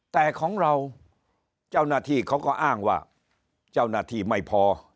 แต่ของเราเจ้าหน้าที่เขาก็อ้างว่าเจ้าหน้าที่ไม่พอ